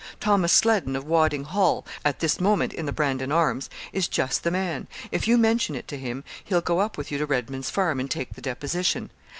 Thomas Sleddon, of Wadding Hall at this moment in the "Brandon Arms" is just the man; if you mention it to him, he'll go up with you to Redman's Farm, and take the deposition.